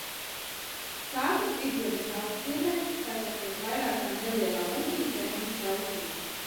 Sākas Vidzemes augstienē, satekot vairākām nelielām upītēm un strautiem.